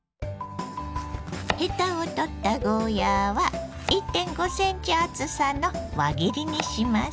ヘタを取ったゴーヤーは１．５センチ厚さの輪切りにします。